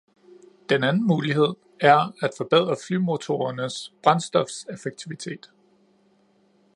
Den anden mulighed er at forbedre flymotorernes brændstofeffektivitet.